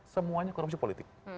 semuanya korupsi politik